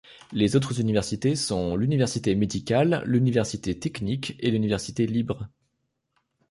Les autres universités sont l'Université médicale, l'Université technique et l'Université libre.